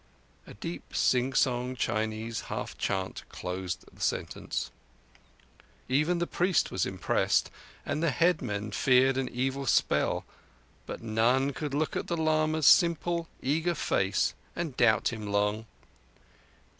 A deep, sing song Chinese half chant closed the sentence. Even the priest was impressed, and the headman feared an evil spell: but none could look at the lama's simple, eager face and doubt him long.